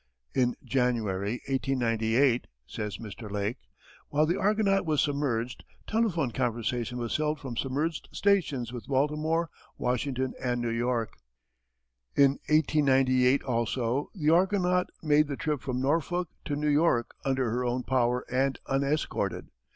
In January, 1898 [says Mr. Lake], while the Argonaut was submerged, telephone conversation was held from submerged stations with Baltimore, Washington, and New York. In 1898, also, the Argonaut made the trip from Norfolk to New York under her own power and unescorted.